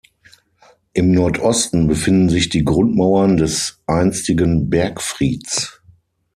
Im Nordosten befinden sich die Grundmauern des einstigen Bergfrieds.